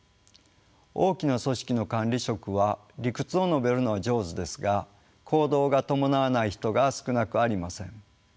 大きな組織の管理職は理屈を述べるのは上手ですが行動が伴わない人が少なくありません。